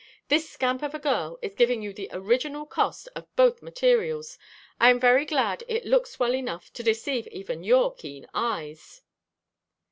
This scamp of a girl is giving you the original cost of both materials; I am very glad it looks well enough to deceive even your keen eyes."